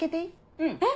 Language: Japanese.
うん。えっ！